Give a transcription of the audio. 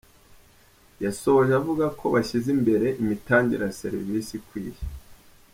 Yasoje avuga ko bashyize imbere imitangire ya serivisi ikwiye.